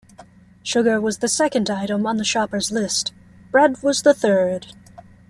Sugar was the second item on the shopper’s list; bread was the third.